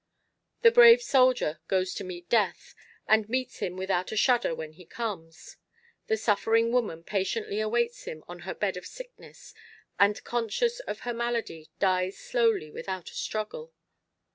The brave soldier goes to meet Death, and meets him without a shudder when he comes. The suffering woman patiently awaits him on her bed of sickness, and conscious of her malady dies slowly without a struggle.